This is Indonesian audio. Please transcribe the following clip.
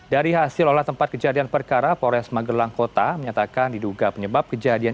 dari hasil olah tempat kejadian perkara polres magelang kota menyatakan diduga penyebab kejadian